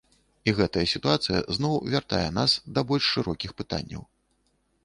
І гэтая сітуацыя зноў вяртае нас да больш шырокіх пытанняў.